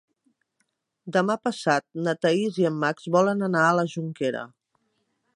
Demà passat na Thaís i en Max volen anar a la Jonquera.